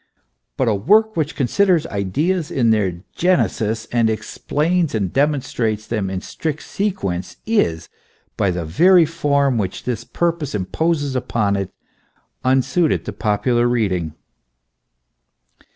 But a work which considers ideas in their genesis and explains and demonstrates them in strict sequence, is, by PEEFACE. XVli the very form which this purpose imposes upon it, unsuited to popular reading.